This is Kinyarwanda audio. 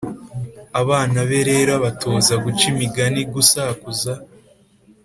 abana be rero abatoza guca imigani, gusakuza,